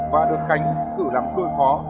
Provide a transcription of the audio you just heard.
và được khánh cử làm đôi phó